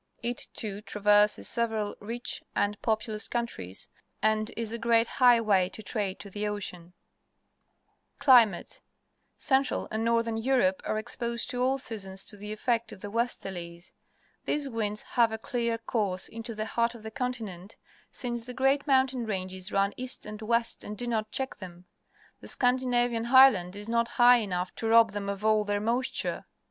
It, too, tra verses several rich and populous countries and is a great highway of trade to the ocean. 3r^^r(<\X „M jl IV i> Rainfall Map of Europe Climate. — Central and Northern Europe are exposed at all seasons to the effect of the westerlies. These winds have a clear course into the heart of the continent, since the great mountain ranges run east and west and do not check them. The Scandinavian Highland is not high enough to rob them of all their moisture.